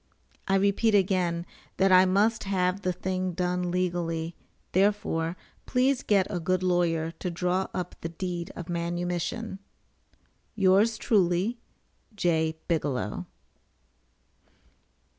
[I repeat again that I must have the thing done legally, therefore, please get a good lawyer to draw up the deed of manumission.] Yours Truly, J. BIGELOW.